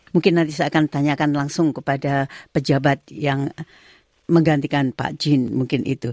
mungkin nanti saya akan tanyakan langsung kepada pejabat yang menggantikan pak jin mungkin itu